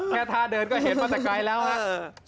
แค่ทาเดินก็เห็นมาจากไกลแล้วฮะ